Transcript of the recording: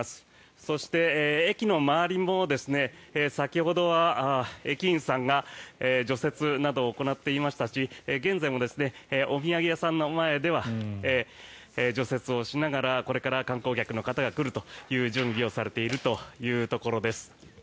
そして、駅の周りも先ほどは駅員さんが除雪などを行っていましたし現在もお土産屋さんの前では除雪をしながらこれから観光客の方が来る準備をされているところです。